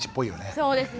そうですね。